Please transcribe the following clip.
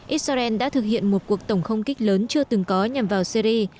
israel đã thực hiện một cuộc tổng không kích lớn chưa từng có nhằm vào syri